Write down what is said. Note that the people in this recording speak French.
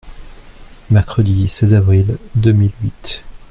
Mercredi seize avril deux mille huit.